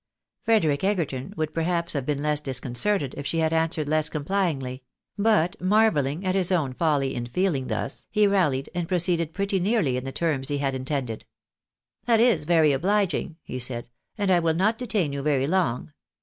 Frederick Egerton would perhaps have been less disconcerted if she had answered less complyingly ; but marvelhng at his own folly in feeling thus, he ralhed, and proceeded pretty nearly in the terms he had intended. " That is very obliging," he said, " and I will not detain you very long.